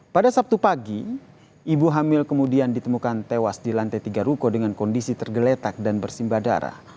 pada sabtu pagi ibu hamil kemudian ditemukan tewas di lantai tiga ruko dengan kondisi tergeletak dan bersimba darah